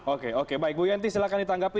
oke oke baik bu yenti silahkan ditanggapi